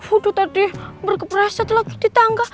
aduh tadi bergepreset lagi di tangga